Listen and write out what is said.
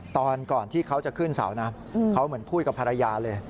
ตอนก่อนที่เขาจะขึ้นเสาน้ำเขาเหมือนพูดกับภรรยาเลย